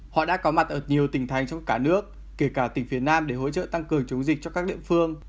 họ đã có mặt ở nhiều tỉnh thành trong cả nước kể cả tỉnh phía nam để hỗ trợ tăng cường chống dịch cho các địa phương